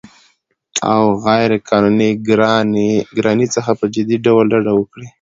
او غیرقانوني ګرانۍ څخه په جدي ډول ډډه وکړي